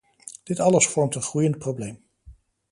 Dit alles vormt een groeiend probleem.